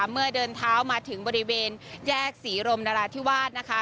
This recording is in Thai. เมื่อเดินเท้ามาถึงบริเวณแยกศรีรมนราธิวาสนะคะ